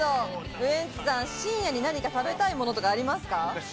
ウエンツさん、深夜に何か食べたいものとかありますか？